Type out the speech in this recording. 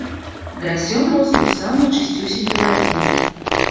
Драсён рос у самай чысцюсенькай вадзе.